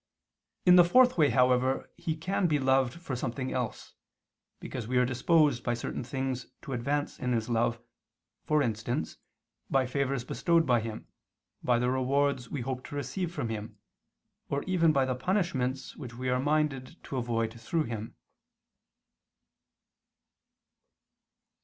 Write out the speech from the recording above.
In the fourth way, however, He can be loved for something else, because we are disposed by certain things to advance in His love, for instance, by favors bestowed by Him, by the rewards we hope to receive from Him, or even by the punishments which we are minded to avoid through Him.